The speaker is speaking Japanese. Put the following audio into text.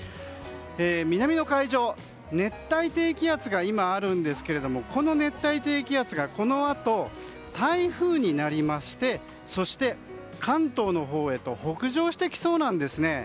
南の海上、熱帯低気圧が今あるんですけどもこの熱帯低気圧がこのあと台風になりましてそして、関東のほうへと北上してきそうなんですね。